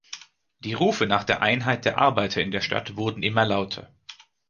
Die Rufe nach der Einheit der Arbeiter in der Stadt wurden immer lauter.